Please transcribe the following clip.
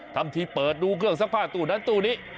ทำทีเปิดดูเครื่องซักผ้าตู้นั้นตู้นี้